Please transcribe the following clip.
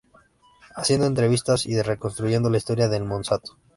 Haciendo entrevistas y reconstruyendo la historia de Monsanto.